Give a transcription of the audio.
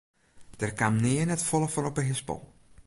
Dêr kaam nea net folle fan op de hispel.